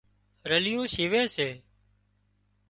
رليون شيوي سي